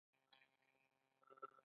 د ځیګر د روغتیا لپاره له څه شي ډډه وکړم؟